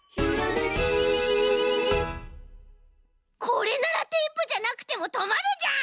これならテープじゃなくてもとまるじゃん！